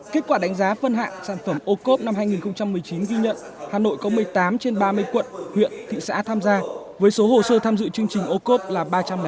kết quả đánh giá phân hạng sản phẩm o cop năm hai nghìn một mươi chín ghi nhận hà nội có một mươi tám trên ba mươi quận huyện thị xã tham gia với số hồ sơ tham dự chương trình o cop là ba trăm linh một